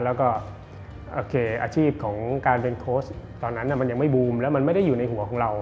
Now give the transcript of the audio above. แล้วก็โอเคอาชีพของการเป็นโค้ชตอนนั้นมันยังไม่บูมแล้วมันไม่ได้อยู่ในหัวของเรา